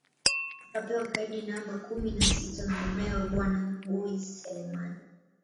Akapewa kadi namba kumi na sita na mumewe bwana Boi Selemani